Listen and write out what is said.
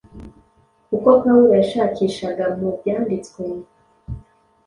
Uko Pawulo yashakishaga mu Byanditswe,